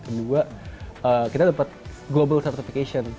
kedua kita dapat global certification